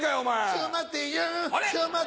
ちょ待てよ。あれ？